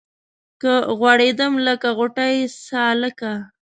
که غوړېدم لکه غوټۍ سالکه